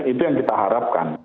itu yang kita harapkan